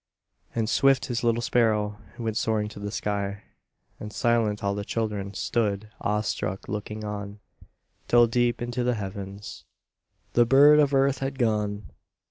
And swift, His little sparrow Went soaring to the sky, And silent, all the children Stood, awestruck, looking on, Till, deep into the heavens, The bird of earth had gone.